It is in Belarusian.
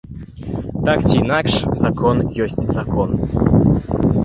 Так ці інакш, закон ёсць закон.